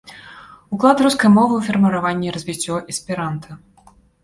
Уклад рускай мовы ў фарміраванне і развіццё эсперанта.